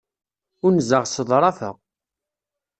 Unzeɣ s ḍḍrafa.